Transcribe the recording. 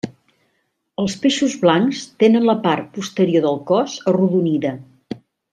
Els peixos blancs tenen la part posterior del cos arrodonida.